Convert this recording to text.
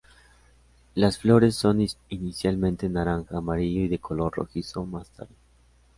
Las flores son inicialmente naranja-amarillo y de color rojizo más tarde.